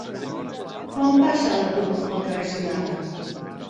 Quan passa l'autobús pel carrer Siurana?